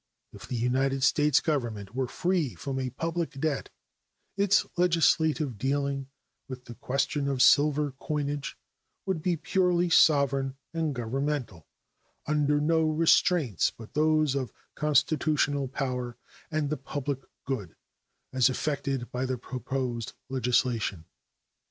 If the United States Government were free from a public debt, its legislative dealing with the question of silver coinage would be purely sovereign and governmental, under no restraints but those of constitutional power and the public good as affected by the proposed legislation.